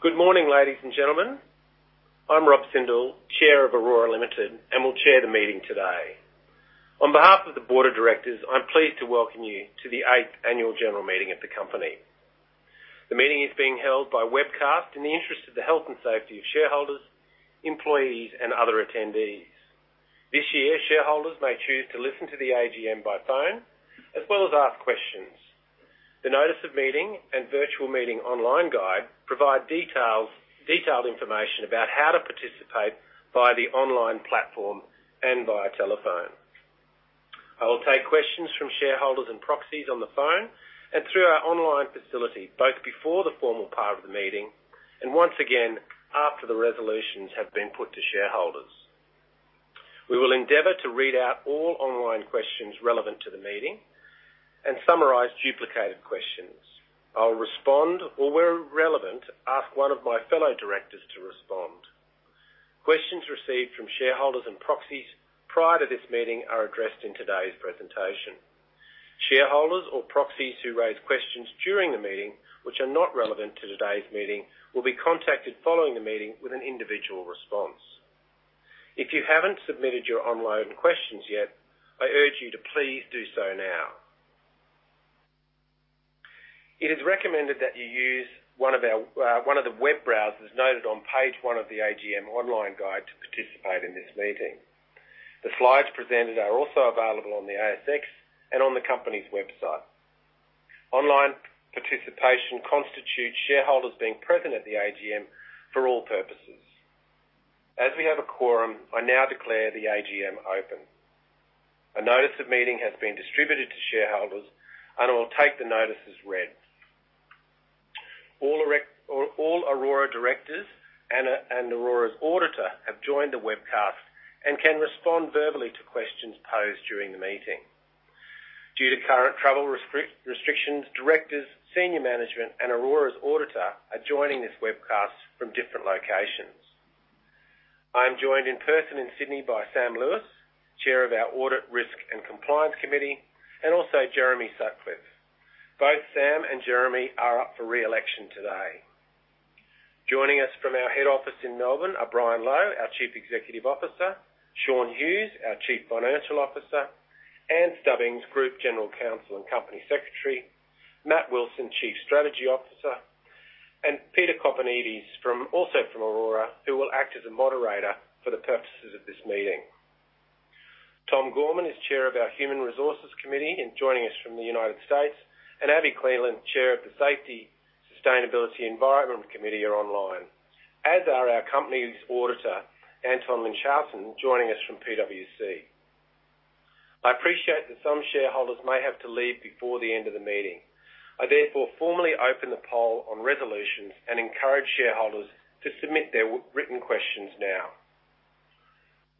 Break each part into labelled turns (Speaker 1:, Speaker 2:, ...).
Speaker 1: Good morning, ladies and gentlemen. I'm Rob Sindel, Chair of Orora Limited, and will chair the meeting today. On behalf of the board of directors, I'm pleased to welcome you to the eighth annual general meeting of the company. The meeting is being held by webcast in the interest of the health and safety of shareholders, employees, and other attendees. This year, shareholders may choose to listen to the AGM by phone, as well as ask questions. The notice of meeting and virtual meeting online guide provide detailed information about how to participate via the online platform and via telephone. I will take questions from shareholders and proxies on the phone and through our online facility, both before the formal part of the meeting, and once again after the resolutions have been put to shareholders. We will endeavor to read out all online questions relevant to the meeting and summarize duplicated questions. I'll respond or, where relevant, ask one of my fellow directors to respond. Questions received from shareholders and proxies prior to this meeting are addressed in today's presentation. Shareholders or proxies who raise questions during the meeting which are not relevant to today's meeting will be contacted following the meeting with an individual response. If you haven't submitted your online questions yet, I urge you to please do so now. It is recommended that you use one of the web browsers noted on page one of the AGM online guide to participate in this meeting. The slides presented are also available on the ASX and on the company's website. Online participation constitutes shareholders being present at the AGM for all purposes. As we have a quorum, I now declare the AGM open. A notice of meeting has been distributed to shareholders, and I will take the notice as read. All Orora directors and Orora's auditor have joined the webcast and can respond verbally to questions posed during the meeting. Due to current travel restrictions, directors, senior management, and Orora's auditor are joining this webcast from different locations. I am joined in person in Sydney by Sam Lewis, Chair of our Audit, Risk, and Compliance Committee, and also Jeremy Sutcliffe. Both Sam and Jeremy are up for re-election today. Joining us from our head office in Melbourne are Brian Lowe, our Chief Executive Officer, Shaun Hughes, our Chief Financial Officer, Ann Stubbings, Group General Counsel and Company Secretary, Matt Wilson, Chief Strategy Officer, and Peter Kopanidis, also from Orora, who will act as a moderator for the purposes of this meeting. Tom Gorman is Chair of our Human Resources Committee and joining us from the United States, and Abi Cleland, Chair of the Safety, Sustainability & Environment Committee are online. As are our company's auditor, Anton Linschoten, joining us from PwC. I appreciate that some shareholders may have to leave before the end of the meeting. I therefore formally open the poll on resolutions and encourage shareholders to submit their written questions now.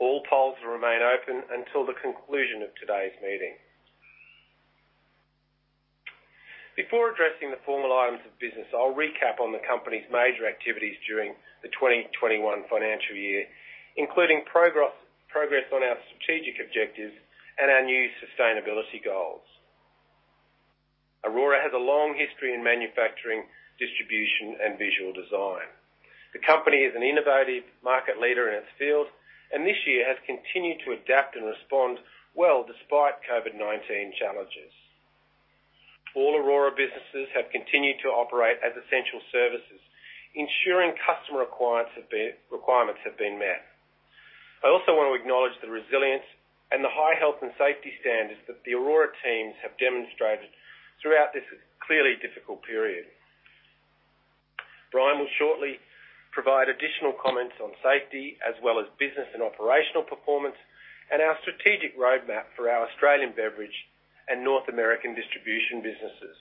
Speaker 1: All polls will remain open until the conclusion of today's meeting. Before addressing the formal items of business, I'll recap on the company's major activities during the 2021 financial year, including progress on our strategic objectives and our new sustainability goals. Orora has a long history in manufacturing, distribution, and visual design. The company is an innovative market leader in its field, and this year has continued to adapt and respond well despite COVID-19 challenges. All Orora businesses have continued to operate as essential services, ensuring customer requirements have been met. I also want to acknowledge the resilience and the high health and safety standards that the Orora teams have demonstrated throughout this clearly difficult period. Brian will shortly provide additional comments on safety as well as business and operational performance, and our strategic roadmap for our Australian beverage and North American distribution businesses.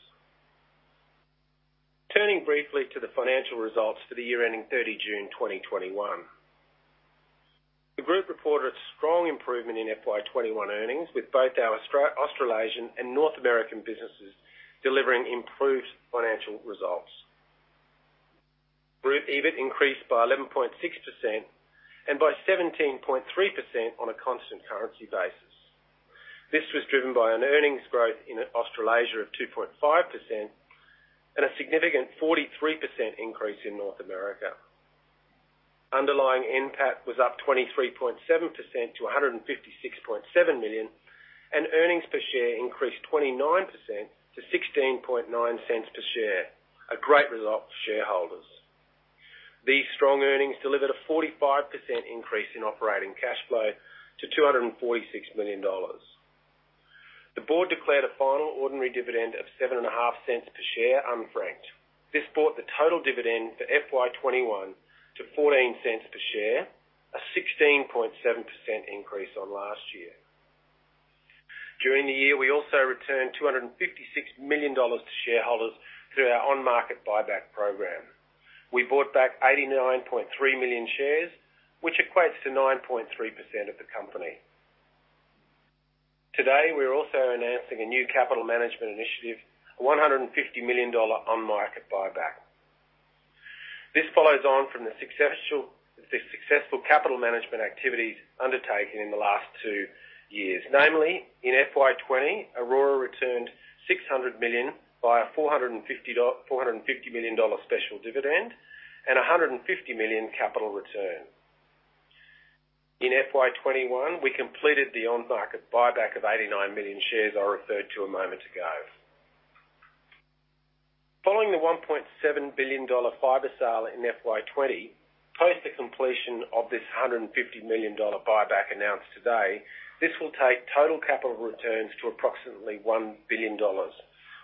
Speaker 1: Turning briefly to the financial results for the year ending 30 June 2021. The group reported a strong improvement in FY 2021 earnings with both our Australasian and North American businesses delivering improved financial results. Group EBITDA increased by 11.6% and by 17.3% on a constant currency basis. This was driven by an earnings growth in Australasia of 2.5% and a significant 43% increase in North America. Underlying NPAT was up 23.7% to 156.7 million, earnings per share increased 29% to 0.169 per share. A great result for shareholders. These strong earnings delivered a 45% increase in operating cash flow to 246 million dollars. The board declared a final ordinary dividend of 0.075 per share unfranked. This brought the total dividend for FY 2021 to 0.14 per share, a 16.7% increase on last year. During the year, we also returned 256 million dollars to shareholders through our on-market buyback program. We bought back 89.3 million shares, which equates to 9.3% of the company. Today, we're also announcing a new capital management initiative, a 150 million dollar on-market buyback. This follows on from the successful capital management activities undertaken in the last two years, namely in FY 2020, Orora returned 600 million by a 450 million dollar special dividend and 150 million capital return. In FY 2021, we completed the on-market buyback of 89 million shares I referred to a moment ago. Following the 1.7 billion dollar fiber sale in FY 2020, post the completion of this 150 million dollar buyback announced today, this will take total capital returns to approximately 1 billion dollars.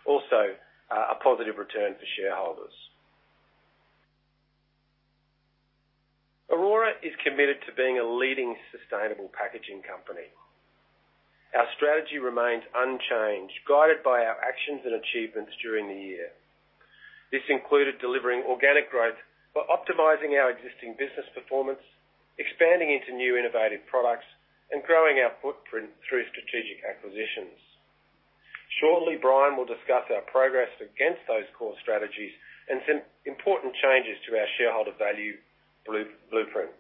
Speaker 1: Also, a positive return for shareholders. Orora is committed to being a leading sustainable packaging company. Our strategy remains unchanged, guided by our actions and achievements during the year. This included delivering organic growth by optimizing our existing business performance, expanding into new innovative products, and growing our footprint through strategic acquisitions. Shortly, Brian will discuss our progress against those core strategies and some important changes to our shareholder value blueprint.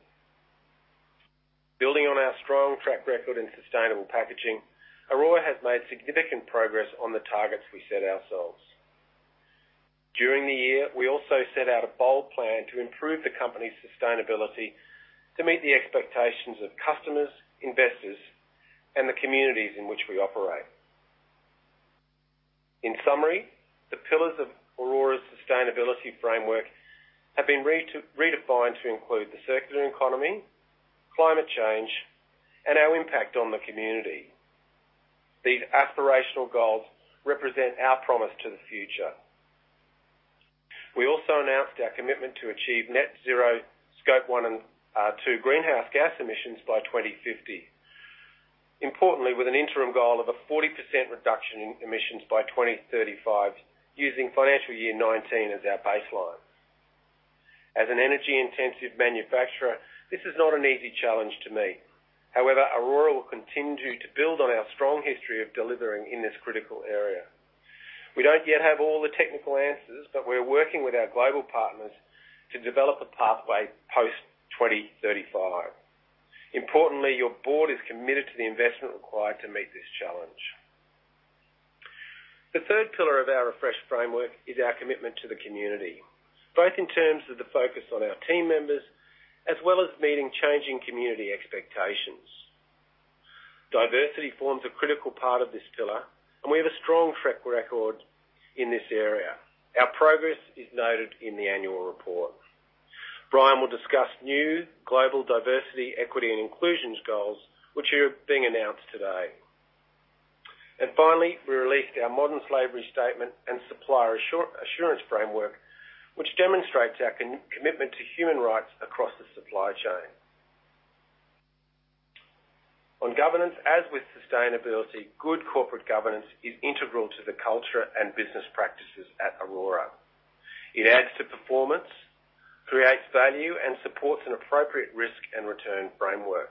Speaker 1: Building on our strong track record in sustainable packaging, Orora has made significant progress on the targets we set ourselves. During the year, we also set out a bold plan to improve the company's sustainability to meet the expectations of customers, investors, and the communities in which we operate. In summary, the pillars of Orora's sustainability framework have been redefined to include the circular economy, climate change, and our impact on the community. These aspirational goals represent our promise to the future. We also announced our commitment to achieve net zero Scope 1 and 2 greenhouse gas emissions by 2050. Importantly, with an interim goal of a 40% reduction in emissions by 2035 using financial year 2019 as our baseline. As an energy-intensive manufacturer, this is not an easy challenge to meet. Orora will continue to build on our strong history of delivering in this critical area. We don't yet have all the technical answers, but we're working with our global partners to develop a pathway post-2035. Importantly, your board is committed to the investment required to meet this challenge. The third pillar of our refresh framework is our commitment to the community, both in terms of the focus on our team members, as well as meeting changing community expectations. Diversity forms a critical part of this pillar, and we have a strong track record in this area. Our progress is noted in the annual report. Brian will discuss new global diversity, equity, and inclusion goals, which are being announced today. Finally, we released our Modern Slavery Statement and Supplier Assurance Framework, which demonstrates our commitment to human rights across the supply chain. On governance, as with sustainability, good corporate governance is integral to the culture and business practices at Orora. It adds to performance, creates value, and supports an appropriate risk and return framework.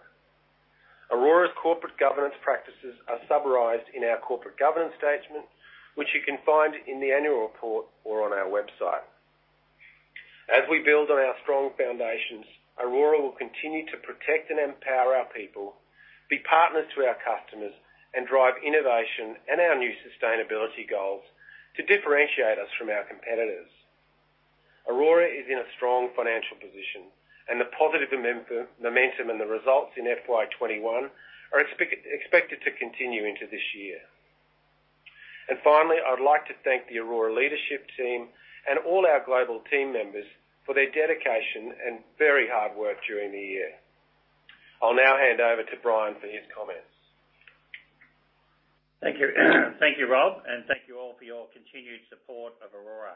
Speaker 1: Orora's corporate governance practices are summarized in our corporate governance statement, which you can find in the annual report or on our website. As we build on our strong foundations, Orora will continue to protect and empower our people, be partners to our customers, and drive innovation and our new sustainability goals to differentiate us from our competitors. Orora is in a strong financial position, and the positive momentum and the results in FY 2021 are expected to continue into this year. Finally, I would like to thank the Orora leadership team and all our global team members for their dedication and very hard work during the year. I'll now hand over to Brian for his comments.
Speaker 2: Thank you, Rob, and thank you all for your continued support of Orora.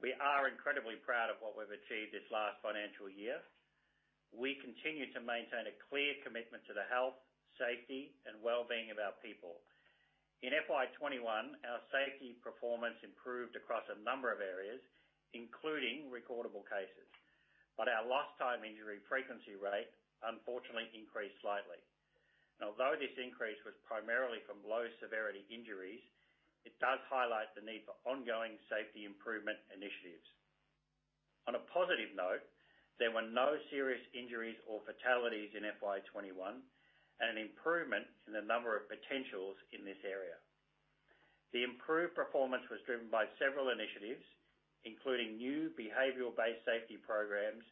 Speaker 2: We are incredibly proud of what we've achieved this last financial year. We continue to maintain a clear commitment to the health, safety, and wellbeing of our people. In FY 2021, our safety performance improved across a number of areas, including recordable cases. Our lost time injury frequency rate unfortunately increased slightly. Although this increase was primarily from low-severity injuries, it does highlight the need for ongoing safety improvement initiatives. On a positive note, there were no serious injuries or fatalities in FY 2021 and an improvement in the number of potentials in this area. The improved performance was driven by several initiatives, including new behavioral-based safety programs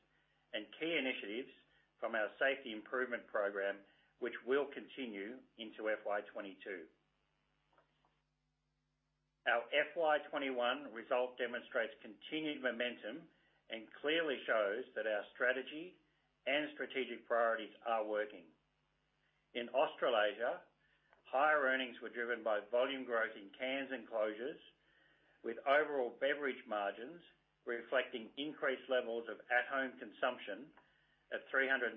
Speaker 2: and key initiatives from our safety improvement program, which will continue into FY 2022. Our FY 2021 result demonstrates continued momentum and clearly shows that our strategy and strategic priorities are working. In Australasia, higher earnings were driven by volume growth in cans and closures, with overall beverage margins reflecting increased levels of at-home consumption of 375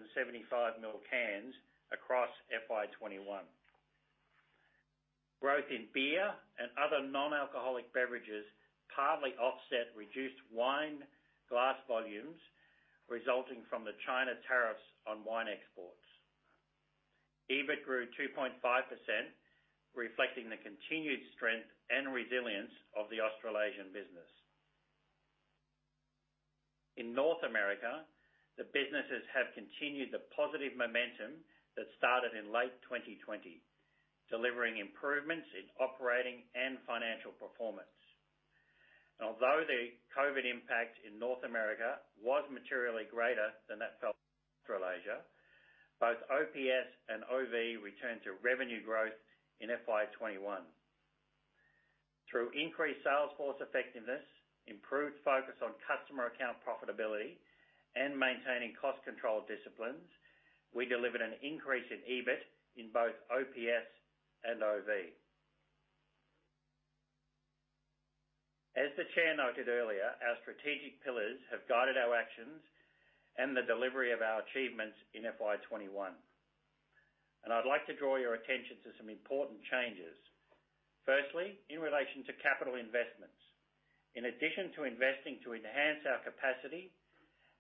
Speaker 2: ml cans across FY 2021. Growth in beer and other non-alcoholic beverages partly offset reduced wine glass volumes resulting from the China tariffs on wine exports. EBITDA grew 2.5%, reflecting the continued strength and resilience of the Australasian business. In North America, the businesses have continued the positive momentum that started in late 2020, delivering improvements in operating and financial performance. Although the COVID impact in North America was materially greater than that felt in Australasia, both OPS and OV returned to revenue growth in FY 2021. Through increased salesforce effectiveness, improved focus on customer account profitability, and maintaining cost control disciplines, we delivered an increase in EBITDA in both OPS and OV. As the Chair noted earlier, our strategic pillars have guided our actions and the delivery of our achievements in FY 2021, and I'd like to draw your attention to some important changes. Firstly, in relation to capital investments. In addition to investing to enhance our capacity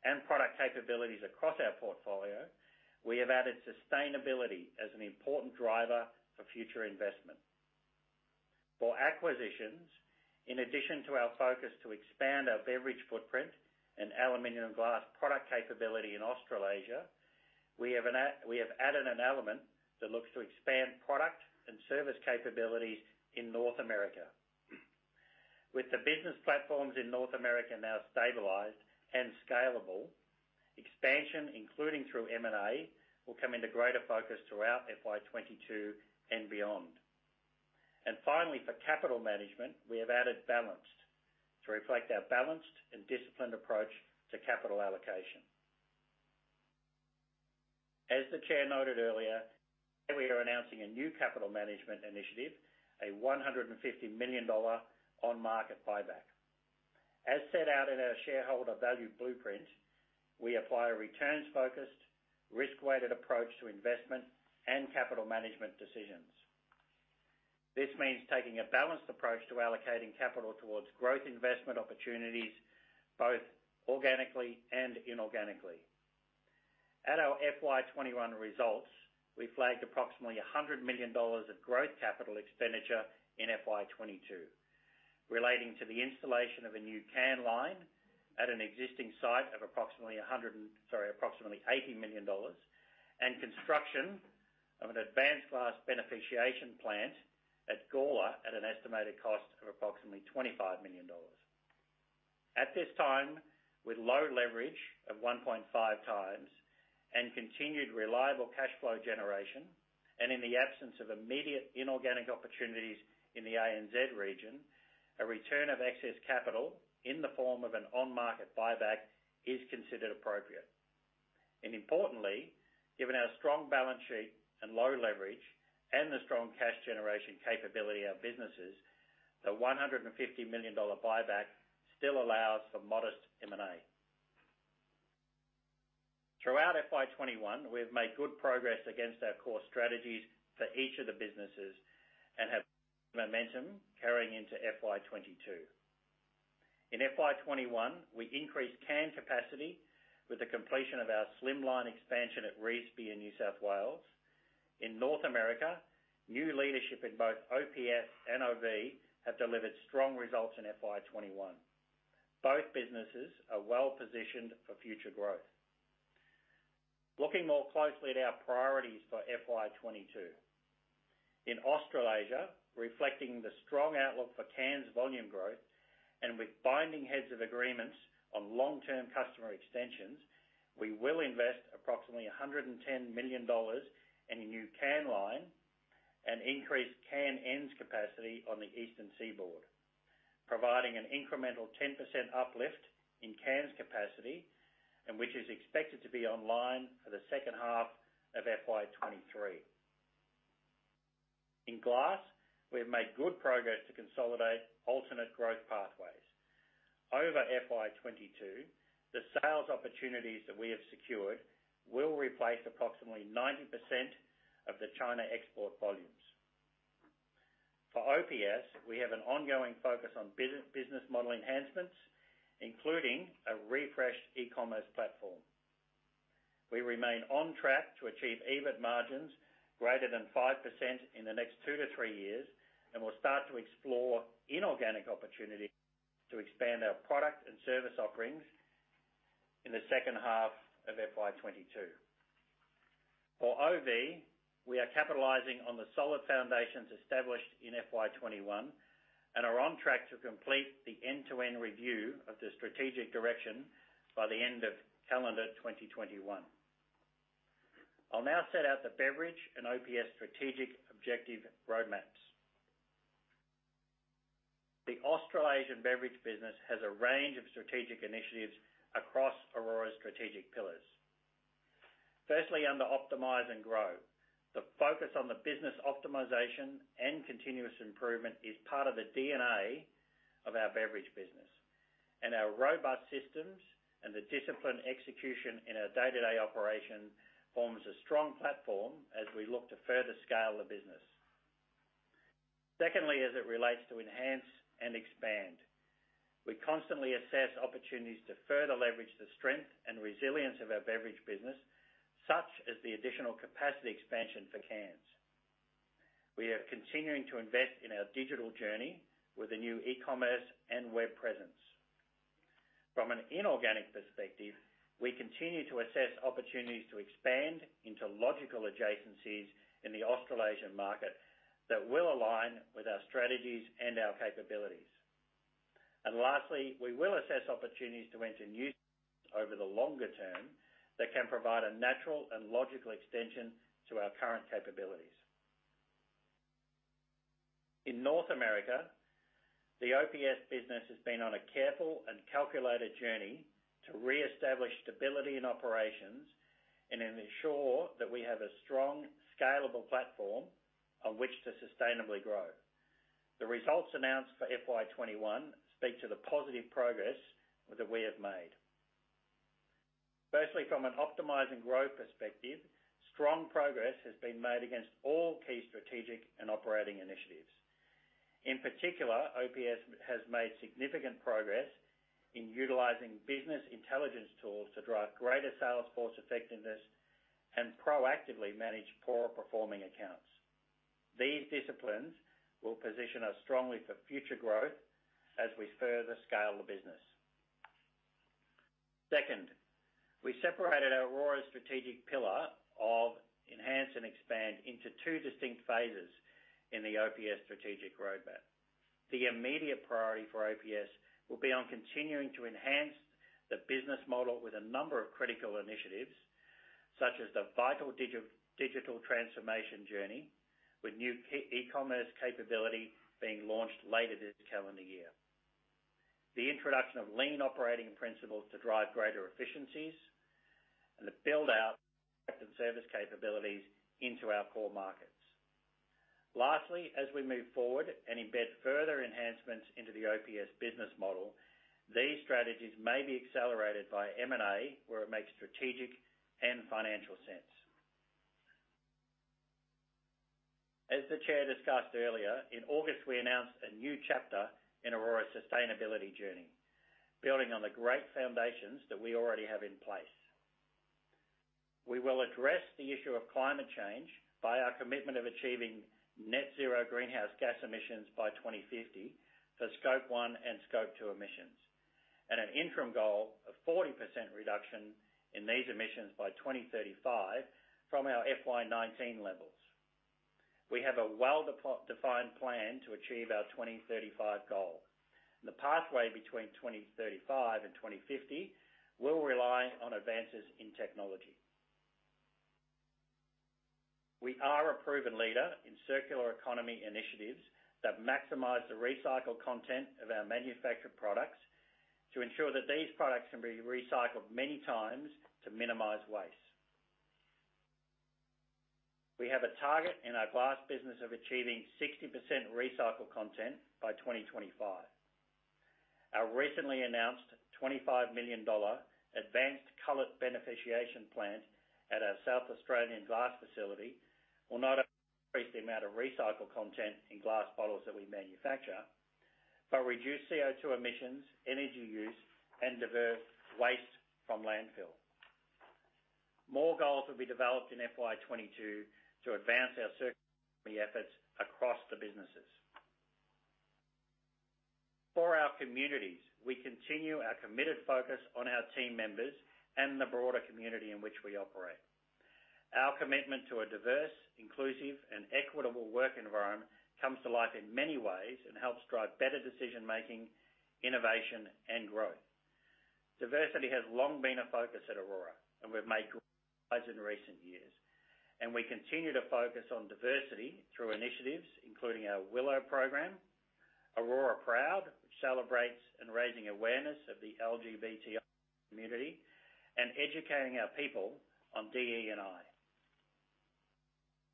Speaker 2: and product capabilities across our portfolio, we have added sustainability as an important driver for future investment. For acquisitions, in addition to our focus to expand our beverage footprint and aluminum glass product capability in Australasia, we have added an element that looks to expand product and service capabilities in North America. With the business platforms in North America now stabilized and scalable, expansion, including through M&A, will come into greater focus throughout FY 2022 and beyond. Finally, for capital management, we have added balanced to reflect our balanced and disciplined approach to capital allocation. As the Chair noted earlier, we are announcing a new capital management initiative, a 150 million dollar on-market buyback. As set out in our shareholder value blueprint, we apply a returns-focused, risk-weighted approach to investment and capital management decisions. This means taking a balanced approach to allocating capital towards growth investment opportunities, both organically and inorganically. At our FY 2021 results, we flagged approximately 100 million dollars of growth capital expenditure in FY 2022, relating to the installation of a new can line at an existing site of approximately 80 million dollars, and construction of an advanced glass beneficiation plant at Gawler at an estimated cost of approximately 25 million dollars. At this time, with low leverage of 1.5x and continued reliable cash flow generation, and in the absence of immediate inorganic opportunities in the ANZ region, a return of excess capital in the form of an on-market buyback is considered appropriate. Importantly, given our strong balance sheet and low leverage, and the strong cash generation capability of businesses, the 150 million dollar buyback still allows for modest M&A. Throughout FY 2021, we've made good progress against our core strategies for each of the businesses and have momentum carrying into FY 2022. In FY 2021, we increased can capacity with the completion of our slimline expansion at Revesby in New South Wales. In North America, new leadership in both OPS and OV have delivered strong results in FY 2021. Both businesses are well-positioned for future growth. Looking more closely at our priorities for FY 2022. In Australasia, reflecting the strong outlook for cans volume growth and with binding heads of agreements on long-term customer extensions, we will invest approximately 110 million dollars in a new can line and increase can ends capacity on the Eastern Seaboard, providing an incremental 10% uplift in cans capacity, and which is expected to be online for the second half of FY 2023. In glass, we have made good progress to consolidate alternate growth pathways. Over FY 2022, the sales opportunities that we have secured will replace approximately 90% of the China export volumes. For OPS, we have an ongoing focus on business model enhancements, including a refreshed e-commerce platform. We remain on track to achieve EBITDA margins greater than 5% in the next two to three years. We'll start to explore inorganic opportunities to expand our product and service offerings in the second half of FY 2022. For OV, we are capitalizing on the solid foundations established in FY 2021 and are on track to complete the end-to-end review of the strategic direction by the end of calendar 2021. I'll now set out the beverage and OPS strategic objective roadmaps. The Australasian beverage business has a range of strategic initiatives across Orora's strategic pillars. Firstly, under optimize and grow, the focus on the business optimization and continuous improvement is part of the DNA of our beverage business, and our robust systems and the disciplined execution in our day-to-day operation forms a strong platform as we look to further scale the business. Secondly, as it relates to enhance and expand. We constantly assess opportunities to further leverage the strength and resilience of our beverage business, such as the additional capacity expansion for cans. We are continuing to invest in our digital journey with a new e-commerce and web presence. From an inorganic perspective, we continue to assess opportunities to expand into logical adjacencies in the Australasian market that will align with our strategies and our capabilities. Lastly, we will assess opportunities to enter new markets over the longer term that can provide a natural and logical extension to our current capabilities. In North America, the OPS business has been on a careful and calculated journey to reestablish stability in operations and ensure that we have a strong, scalable platform on which to sustainably grow. The results announced for FY 2021 speak to the positive progress that we have made. Firstly, from an optimize and growth perspective, strong progress has been made against all key strategic and operating initiatives. In particular, OPS has made significant progress in utilizing business intelligence tools to drive greater sales force effectiveness and proactively manage poor performing accounts. These disciplines will position us strongly for future growth as we further scale the business. Second, we separated Orora's strategic pillar of enhance and expand into two distinct phases in the OPS strategic roadmap. The immediate priority for OPS will be on continuing to enhance the business model with a number of critical initiatives, such as the vital digital transformation journey, with new key e-commerce capability being launched later this calendar year, the introduction of lean operating principles to drive greater efficiencies and to build out effective service capabilities into our core markets. Lastly, as we move forward and embed further enhancements into the OPS business model, these strategies may be accelerated by M&A where it makes strategic and financial sense. As the Chair discussed earlier, in August, we announced a new chapter in Orora's sustainability journey, building on the great foundations that we already have in place. We will address the issue of climate change by our commitment of achieving net zero greenhouse gas emissions by 2050 for Scope 1 and Scope 2 emissions, and an interim goal of 40% reduction in these emissions by 2035 from our FY 2019 levels. We have a well-defined plan to achieve our 2035 goal. The pathway between 2035 and 2050 will rely on advances in technology. We are a proven leader in circular economy initiatives that maximize the recycled content of our manufactured products to ensure that these products can be recycled many times to minimize waste. We have a target in our glass business of achieving 60% recycled content by 2025. Our recently announced 25 million dollar advanced cullet beneficiation plant at our South Australian glass facility will not only increase the amount of recycled content in glass bottles that we manufacture, but reduce CO2 emissions, energy use, and divert waste from landfill. More goals will be developed in FY 2022 to advance our circular economy efforts across the businesses. For our communities, we continue our committed focus on our team members and the broader community in which we operate. Our commitment to a diverse, inclusive, and equitable work environment comes to life in many ways and helps drive better decision-making, innovation, and growth. Diversity has long been a focus at Orora, and we've made great strides in recent years, and we continue to focus on diversity through initiatives including our WILO program, Orora Proud, which celebrates in raising awareness of the LGBTI community, and educating our people on DE&I.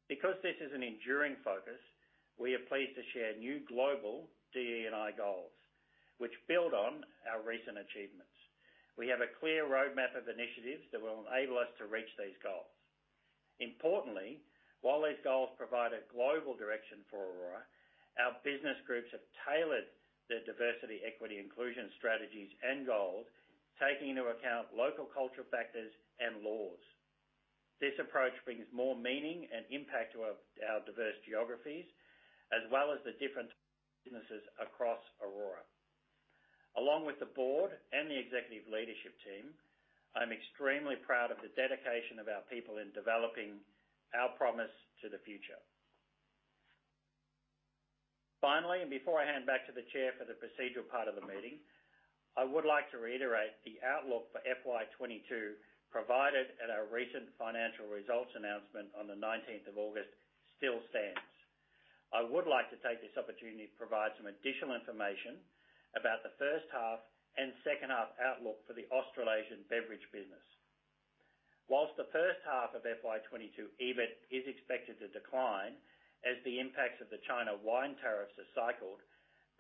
Speaker 2: Because this is an enduring focus, we are pleased to share new global DE&I goals, which build on our recent achievements. We have a clear roadmap of initiatives that will enable us to reach these goals. Importantly, while these goals provide a global direction for Orora, our business groups have tailored their diversity, equity, and inclusion strategies and goals, taking into account local cultural factors and laws. This approach brings more meaning and impact to our diverse geographies, as well as the different businesses across Orora. Along with the board and the executive leadership team, I'm extremely proud of the dedication of our people in developing our promise to the future. Finally, before I hand back to the Chair for the procedural part of the meeting, I would like to reiterate the outlook for FY 2022 provided at our recent financial results announcement on the 19th of August still stands. I would like to take this opportunity to provide some additional information about the first half and second half outlook for the Australasian beverage business. Whilst the first half of FY 2022 EBITDA is expected to decline as the impacts of the China wine tariffs are cycled.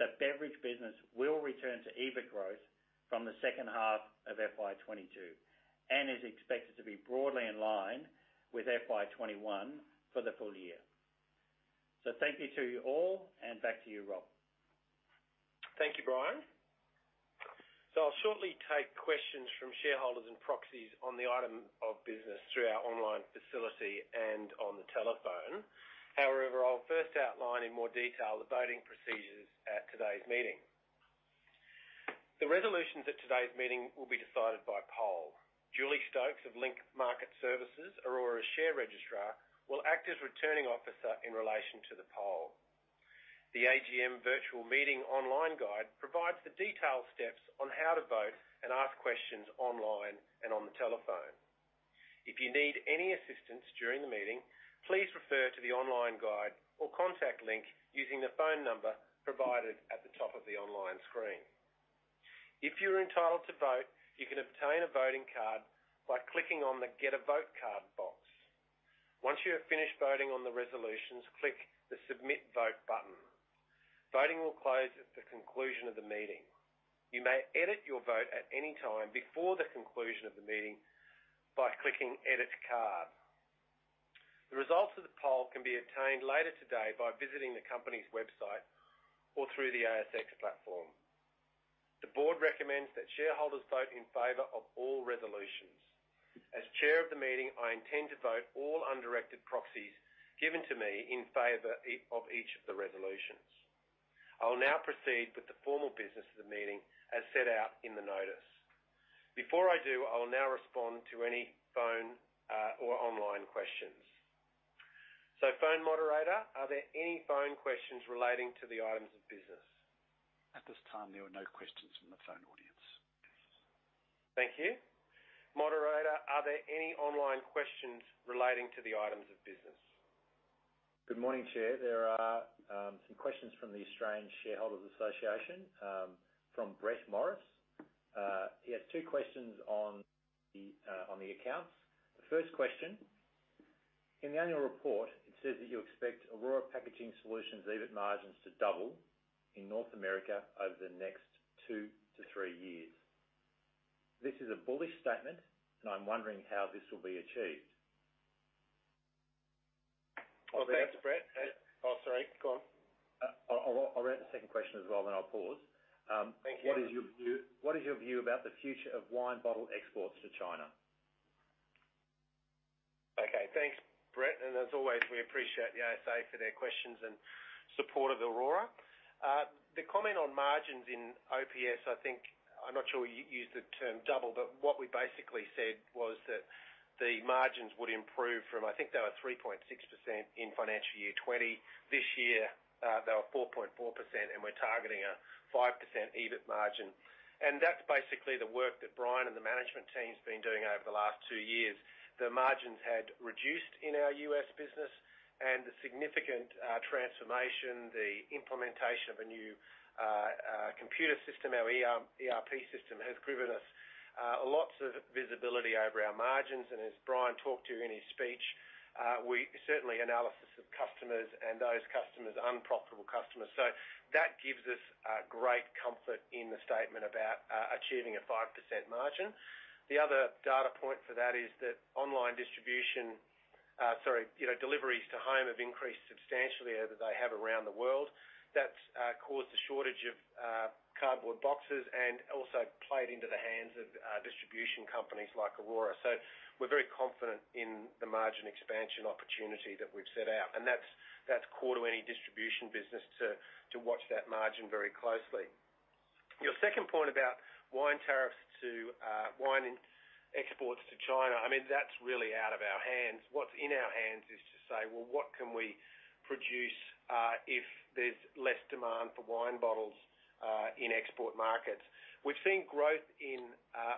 Speaker 2: The beverage business will return to EBITDA growth from the second half of FY 2022, and is expected to be broadly in line with FY 2021 for the full year. Thank you to you all, and back to you, Rob.
Speaker 1: Thank you, Brian. I'll shortly take questions from shareholders and proxies on the item one of business through our online facility and on the telephone. However, I'll first outline in more detail the voting procedures at today's meeting. The resolutions at today's meeting will be decided by poll. Julie Stokes of Link Market Services, Orora's share registrar, will act as Returning Officer in relation to the poll. The AGM Virtual Meeting Online Guide provides the detailed steps on how to vote and ask questions online and on the telephone. If you need any assistance during the meeting, please refer to the online guide or contact Link using the phone number provided at the top of the online screen. If you're entitled to vote, you can obtain a voting card by clicking on the Get a Vote Card box. Once you have finished voting on the resolutions, click the Submit Vote button. Voting will close at the conclusion of the meeting. You may edit your vote at any time before the conclusion of the meeting by clicking Edit Card. The results of the poll can be obtained later today by visiting the company's website or through the ASX platform. The board recommends that shareholders vote in favor of all resolutions. As chair of the meeting, I intend to vote all undirected proxies given to me in favor of each of the resolutions. I will now proceed with the formal business of the meeting as set out in the notice. Before I do, I will now respond to any phone or online questions. Phone moderator, are there any phone questions relating to the items of business?
Speaker 3: At this time, there are no questions from the phone audience.
Speaker 1: Thank you. Moderator, are there any online questions relating to the items of business?
Speaker 4: Good morning, Chair. There are some questions from the Australian Shareholders' Association, from Brett Morris. He has two questions on the accounts. The first question: In the annual report, it says that you expect Orora Packaging Solutions' EBITDA margins to double in North America over the next two to three years. This is a bullish statement, and I'm wondering how this will be achieved.
Speaker 1: Well, thanks, Brett. Oh, sorry, go on.
Speaker 4: I'll read the second question as well, then I'll pause.
Speaker 1: Thank you.
Speaker 4: What is your view about the future of wine bottle exports to China?
Speaker 1: Okay, thanks, Brett, and as always, we appreciate the ASA for their questions and support of Orora. The comment on margins in OPS, I'm not sure we used the term double, but what we basically said was that the margins would improve from, I think they were 3.6% in FY 2020. This year, they were 4.4%, and we're targeting a 5% EBITDA margin. That's basically the work that Brian and the management team's been doing over the last two years. The margins had reduced in our U.S. business and the significant transformation, the implementation of a new computer system, our ERP system, has given us lots of visibility over our margins. As Brian talked to in his speech, certainly analysis of customers and those customers, unprofitable customers. That gives us great comfort in the statement about achieving a 5% margin. The other data point for that is that online distribution, deliveries to home have increased substantially as they have around the world. That's caused a shortage of cardboard boxes and also played into the hands of distribution companies like Orora. We're very confident in the margin expansion opportunity that we've set out, and that's core to any distribution business to watch that margin very closely. Your second point about wine tariffs to wine exports to China. That's really out of our hands. What's in our hands is to say, "Well, what can we produce if there's less demand for wine bottles in export markets?" We've seen growth in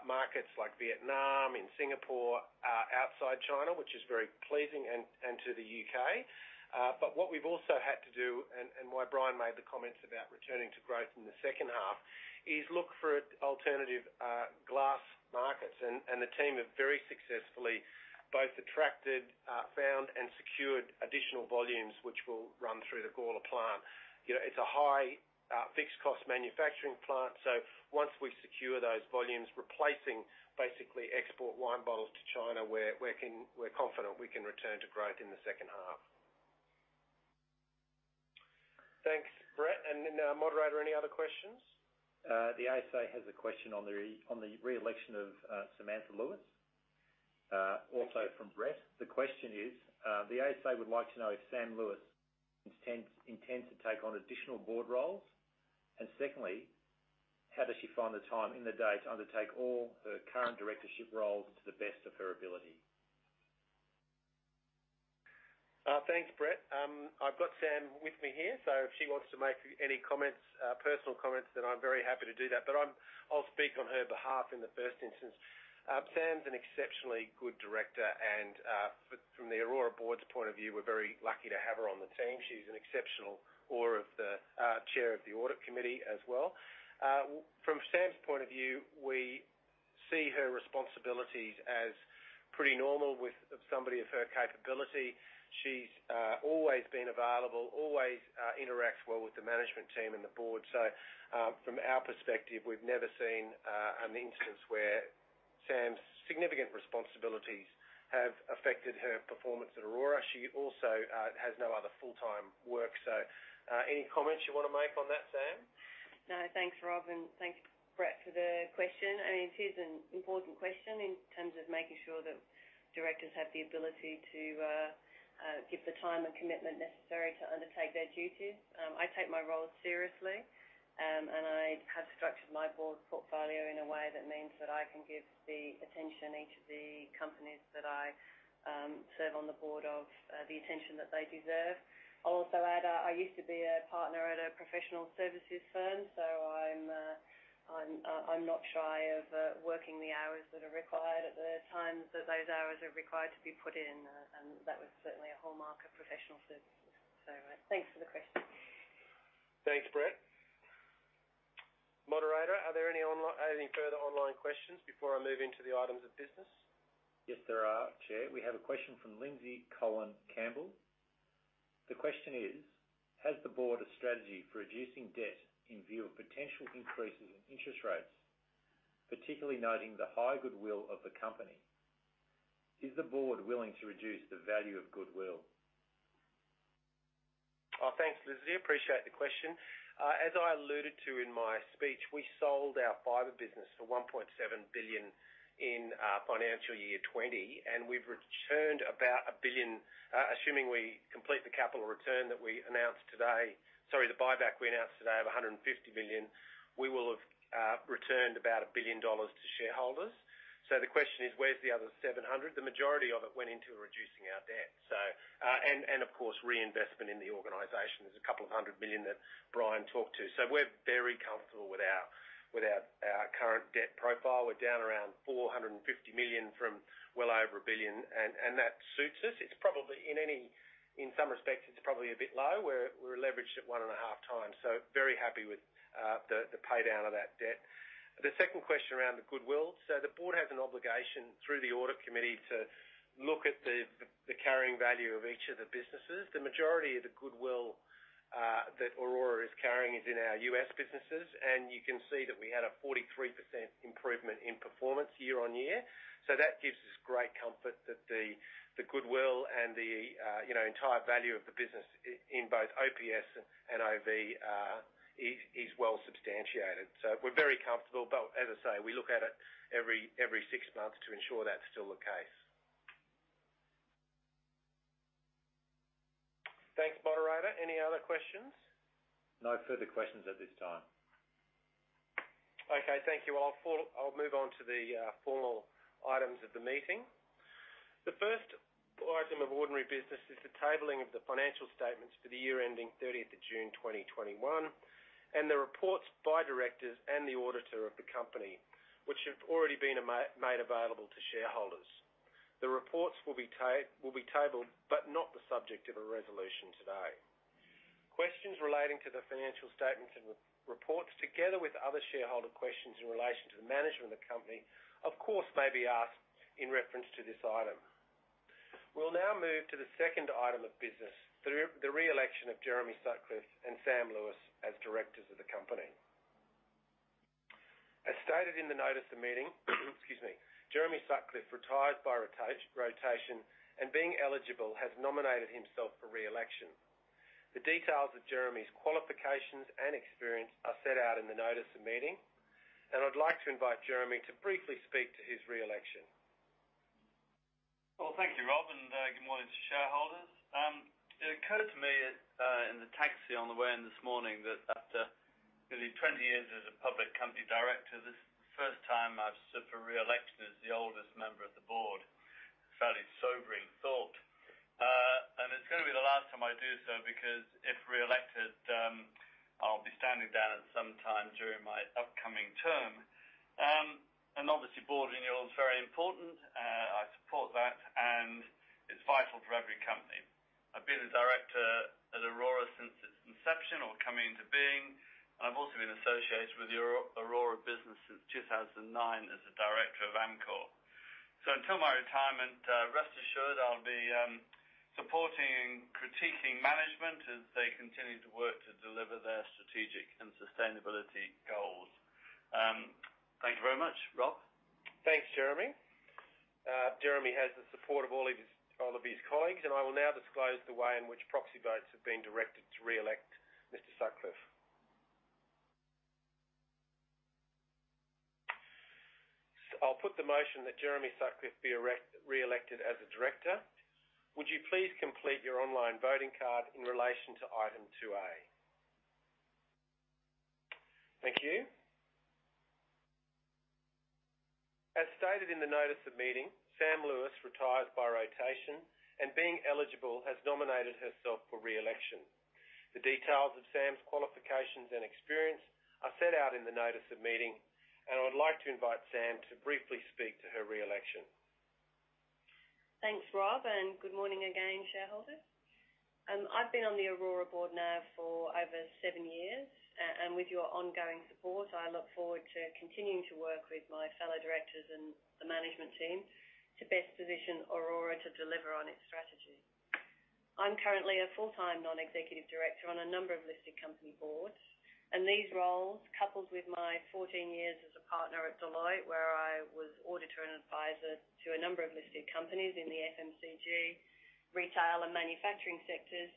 Speaker 1: markets like Vietnam, in Singapore, outside China, which is very pleasing and to the U.K. What we've also had to do, and why Brian made the comments about returning to growth in the second half, is look for alternative glass markets. The team have very successfully both attracted, found, and secured additional volumes, which will run through the Gawler plant. It's a high fixed cost manufacturing plant. Once we secure those volumes, replacing basically export wine bottles to China, we're confident we can return to growth in the second half. Thanks, Brett. Moderator, any other questions?
Speaker 4: The ASA has a question on the re-election of Samantha Lewis, also from Brett. The question is: The ASA would like to know if Sam Lewis intends to take on additional board roles? Secondly, how does she find the time in the day to undertake all her current directorship roles to the best of her ability?
Speaker 1: Thanks, Brett. I've got Sam with me here. If she wants to make any personal comments, I'm very happy to do that. I'll speak on her behalf in the first instance. Sam's an exceptionally good director and from the Orora Board's point of view, we're very lucky to have her on the team. She's an exceptional Chair of the Audit Committee as well. From Sam's point of view, we see her responsibilities as pretty normal with somebody of her capability. She's always been available, always interacts well with the management team and the board. From our perspective, we've never seen an instance where Sam's significant responsibilities have affected her performance at Orora. She also has no other full-time work. Any comments you want to make on that, Sam?
Speaker 5: No, thanks, Rob, and thanks, Brett, for the question. It is an important question in terms of making sure that directors have the ability to give the time and commitment necessary to undertake their duties. I take my role seriously, and I have structured my board portfolio in a way that means that I can give the attention each of the companies that I serve on the board of, the attention that they deserve. I'll also add, I used to be a partner at a professional services firm, so I'm not shy of working the hours that are required at the times that those hours are required to be put in. That was certainly a hallmark of professional services. Thanks for the question.
Speaker 1: Thanks, Brett. Moderator, are there any further online questions before I move into the items of business?
Speaker 4: Yes, there are, Chair. We have a question from Lindsay Colin Campbell. The question is: Has the board a strategy for reducing debt in view of potential increases in interest rates, particularly noting the high goodwill of the company? Is the board willing to reduce the value of goodwill?
Speaker 1: Thanks, Lindsay. Appreciate the question. As I alluded to in my speech, we sold our fiber business for 1.7 billion in FY 2020, and we've returned about 1 billion, assuming we complete the capital return that we announced today, sorry, the buyback we announced today of 150 million, we will have returned about 1 billion dollars to shareholders. The question is, where's the other 700 million? The majority of it went into reducing our debt. Of course, reinvestment in the organization. There's 200 million that Brian talked to. We're very comfortable with our current debt profile. We're down around 450 million from well over 1 billion, and that suits us. In some respects, it's probably a bit low. We're leveraged at 1.5x, very happy with the pay-down of that debt. The second question around the goodwill. The board has an obligation through the Audit Committee to look at the carrying value of each of the businesses. The majority of the goodwill that Orora is carrying is in our U.S. businesses, and you can see that we had a 43% improvement in performance year-on-year. That gives us great comfort that the goodwill and the entire value of the business in both OPS and OV is well substantiated. We're very comfortable. As I say, we look at it every six months to ensure that's still the case. Thanks. Moderator, any other questions?
Speaker 4: No further questions at this time.
Speaker 1: Okay, thank you. I'll move on to the formal items of the meeting. The first item of ordinary business is the tabling of the financial statements for the year ending 30th June 2021, and the reports by directors and the auditor of the company, which have already been made available to shareholders. The reports will be tabled, but not the subject of a resolution today. Questions relating to the financial statements and reports, together with other shareholder questions in relation to the management of the company, of course, may be asked in reference to this item. We'll now move to the second item of business, the re-election of Jeremy Sutcliffe and Sam Lewis as directors of the company. As stated in the notice of meeting, excuse me, Jeremy Sutcliffe retired by rotation, and being eligible, has nominated himself for re-election. The details of Jeremy's qualifications and experience are set out in the notice of meeting, and I'd like to invite Jeremy to briefly speak to his re-election.
Speaker 6: Well, thank you, Rob, and good morning to shareholders. It occurred to me in the taxi on the way in this morning that after nearly 20 years as a public company director, this is the first time I've stood for re-election as the oldest member of the board. Fairly sobering thought. It's going to be the last time I do so, because if re-elected, I'll be standing down at some time during my upcoming term. Obviously, board renewal is very important. I support that, and it's vital for every company. I've been a director at Orora since its inception or coming into being. I've also been associated with Orora business since 2009 as a director of Amcor. Until my retirement, rest assured, I'll be supporting and critiquing management as they continue to work to deliver their strategic and sustainability goals. Thank you very much, Rob.
Speaker 1: Thanks, Jeremy. Jeremy has the support of all of his colleagues, and I will now disclose the way in which proxy votes have been directed to re-elect Mr. Sutcliffe. I'll put the motion that Jeremy Sutcliffe be re-elected as a director. Would you please complete your online voting card in relation to Item 2A. Thank you. As stated in the notice of meeting, Sam Lewis retires by rotation and being eligible, has nominated herself for re-election. The details of Sam's qualifications and experience are set out in the notice of meeting, and I would like to invite Sam to briefly speak to her re-election.
Speaker 5: Thanks, Rob. Good morning again, shareholders. I've been on the Orora board now for over seven years. With your ongoing support, I look forward to continuing to work with my fellow directors and the management team to best position Orora to deliver on its strategy. I'm currently a full-time non-executive director on a number of listed company boards. These roles, coupled with my 14 years as a partner at Deloitte, where I was auditor and advisor to a number of listed companies in the FMCG, retail, and manufacturing sectors,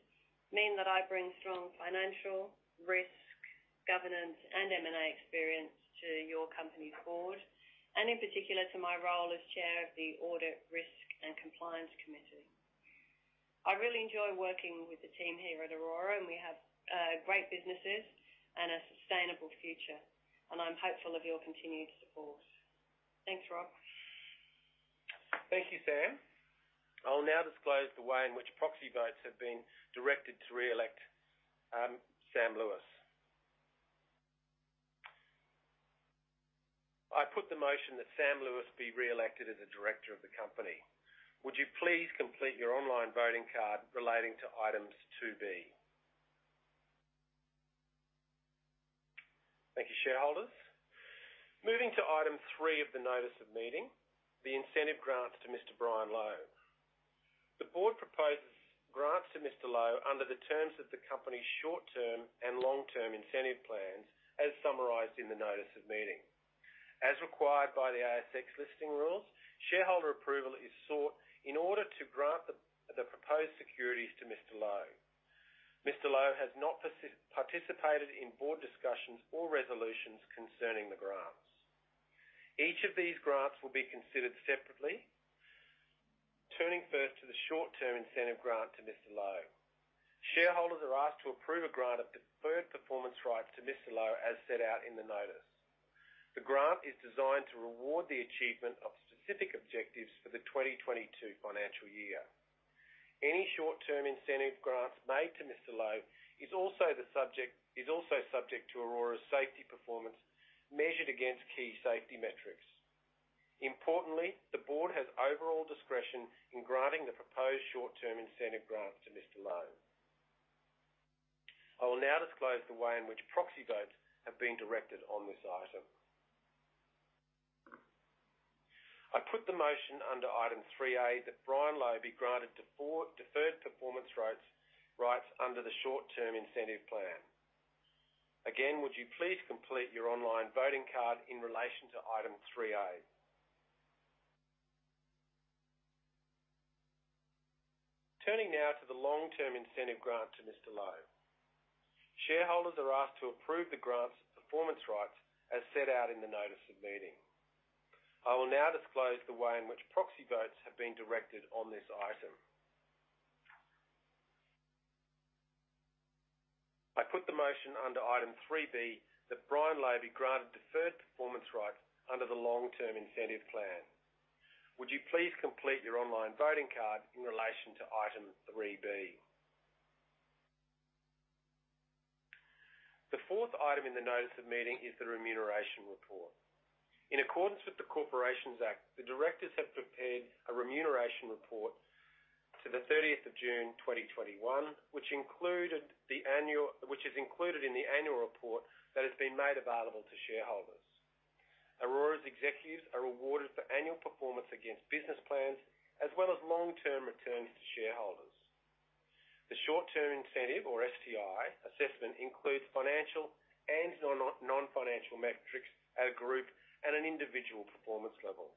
Speaker 5: mean that I bring strong financial, risk, governance, and M&A experience to your company board, in particular, to my role as Chair of the Audit, Risk and Compliance Committee. I really enjoy working with the team here at Orora, and we have great businesses and a sustainable future. I'm hopeful of your continued support. Thanks, Rob.
Speaker 1: Thank you, Sam. I will now disclose the way in which proxy votes have been directed to reelect Sam Lewis. I put the motion that Sam Lewis be reelected as a director of the company. Would you please complete your online voting card relating to Item 2B? Thank you, shareholders. Moving to Item 3 of the notice of meeting, the incentive grants to Mr. Brian Lowe. The Board proposes grants to Mr. Lowe under the terms of the company's short-term and long-term incentive plans, as summarized in the notice of meeting. As required by the ASX Listing Rules, shareholder approval is sought in order to grant the proposed securities to Mr. Lowe. Mr. Lowe has not participated in Board discussions or resolutions concerning the grants. Each of these grants will be considered separately. Turning first to the short-term incentive grant to Mr. Lowe. Shareholders are asked to approve a grant of deferred performance rights to Mr. Lowe, as set out in the notice. The grant is designed to reward the achievement of specific objectives for the 2022 financial year. Any short-term incentive grants made to Mr. Lowe is also subject to Orora's safety performance, measured against key safety metrics. Importantly, the board has overall discretion in granting the proposed short-term incentive grants to Mr. Lowe. I will now disclose the way in which proxy votes have been directed on this item. I put the motion under Item 3A that Brian Lowe be granted deferred performance rights under the short-term incentive plan. Again, would you please complete your online voting card in relation to Item 3A? Turning now to the long-term incentive grant to Mr. Lowe. Shareholders are asked to approve the grant's performance rights as set out in the notice of meeting. I will now disclose the way in which proxy votes have been directed on this item. I put the motion under Item 3B that Brian Lowe be granted deferred performance rights under the long-term incentive plan. Would you please complete your online voting card in relation to Item 3B? The fourth item in the notice of meeting is the remuneration report. In accordance with the Corporations Act, the directors have prepared a remuneration report to the 30th June 2021, which is included in the annual report that has been made available to shareholders. Orora's executives are rewarded for annual performance against business plans, as well as long-term returns to shareholders. The short-term incentive, or STI assessment, includes financial and non-financial metrics at a group and an individual performance level.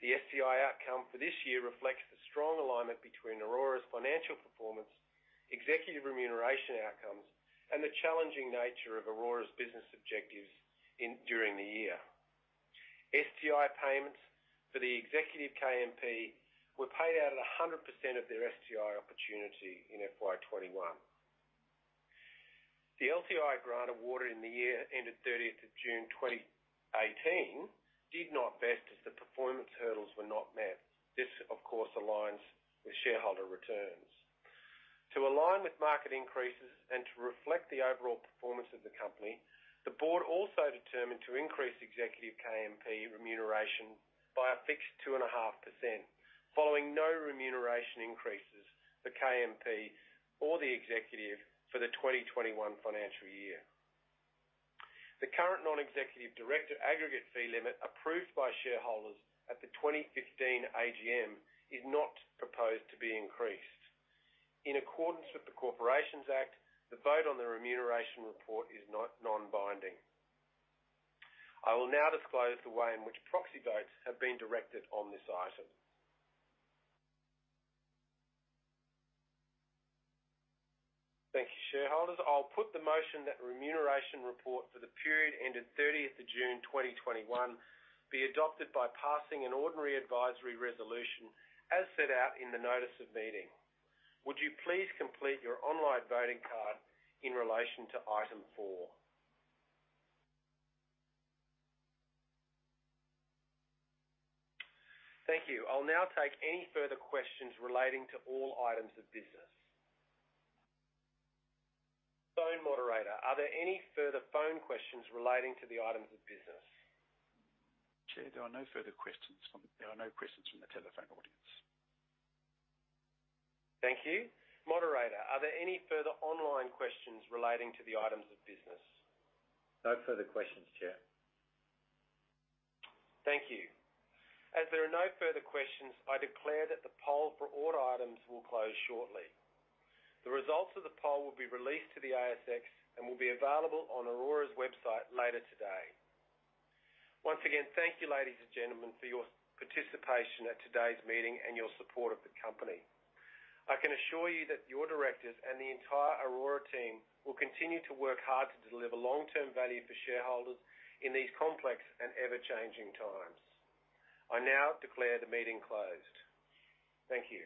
Speaker 1: The STI outcome for this year reflects the strong alignment between Orora's financial performance, executive remuneration outcomes, and the challenging nature of Orora's business objectives during the year. STI payments for the executive KMP were paid out at 100% of their STI opportunity in FY 2021. The LTI grant awarded in the year ended 30th June 2018 did not vest as the performance hurdles were not met. This, of course, aligns with shareholder returns. To align with market increases and to reflect the overall performance of the company, the board also determined to increase executive KMP remuneration by a fixed 2.5% following no remuneration increases for KMP or the executive for the 2021 financial year. The current non-executive director aggregate fee limit approved by shareholders at the 2015 AGM is not proposed to be increased. In accordance with the Corporations Act, the vote on the remuneration report is non-binding. I will now disclose the way in which proxy votes have been directed on this item. Thank you, shareholders. I'll put the motion that remuneration report for the period ended 30th June 2021 be adopted by passing an ordinary advisory resolution as set out in the notice of meeting. Would you please complete your online voting card in relation to Item 4? Thank you. I'll now take any further questions relating to all items of business. Phone moderator, are there any further phone questions relating to the items of business?
Speaker 3: Chair, there are no questions from the telephone audience.
Speaker 1: Thank you. Moderator, are there any further online questions relating to the items of business?
Speaker 4: No further questions, Chair.
Speaker 1: Thank you. As there are no further questions, I declare that the poll for all items will close shortly. The results of the poll will be released to the ASX and will be available on Orora's website later today. Once again, thank you, ladies and gentlemen, for your participation at today's meeting and your support of the company. I can assure you that your directors and the entire Orora team will continue to work hard to deliver long-term value for shareholders in these complex and ever-changing times. I now declare the meeting closed. Thank you.